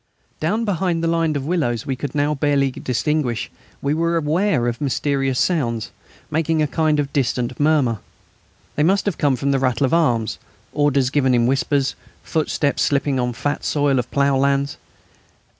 Down behind the line of willows we could now barely distinguish, we were aware of mysterious sounds, making a kind of distant murmur. They must come from the rattle of arms, orders given in whispers, footsteps slipping on the fat soil of plough lands.